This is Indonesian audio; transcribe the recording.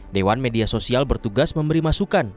dewan media sosial bertugas memberi masukan